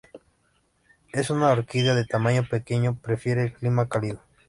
Es una orquídea de tamaño pequeño, prefiere el clima cálido.